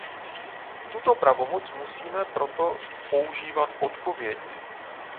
Tuto pravomoc musíme proto používat odpovědně.